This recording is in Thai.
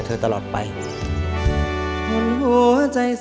รายการต่อไปนี้เป็นรายการทั่วไปสามารถรับชมได้ทุกวัย